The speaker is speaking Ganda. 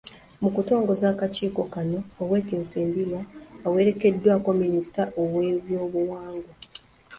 Mu kutongoza akakiiko kano, Owek.Nsibirwa awerekeddwako Minisita w’ebyobuwangwa.